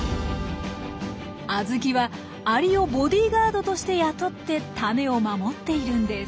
アズキはアリをボディーガードとして雇ってタネを守っているんです。